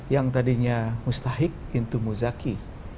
yang tadinya mustahik pintu muzaki